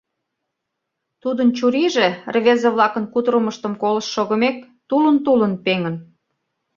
Тудын чурийже, рвезе-влакын кутырымыштым колышт шогымек, тулын-тулын пеҥын.